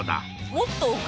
もっと奥？